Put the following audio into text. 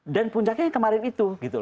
dan puncaknya yang kemarin itu